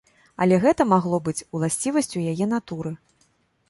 Але гэта магло быць уласцівасцю яе натуры.